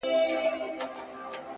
لوړ فکر د عادتونو کچه لوړوي’